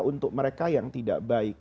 untuk mereka yang tidak baik